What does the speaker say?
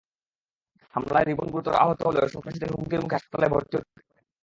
হামলায় রিধন গুরুতর আহত হলেও সন্ত্রাসীদের হুমকির মুখে হাসপাতালে ভর্তি হতে পারেননি।